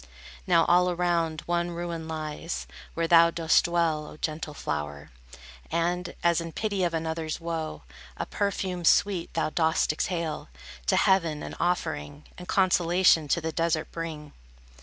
Now all around, one ruin lies, Where thou dost dwell, O gentle flower, And, as in pity of another's woe, A perfume sweet thou dost exhale, To heaven an offering, And consolation to the desert bring.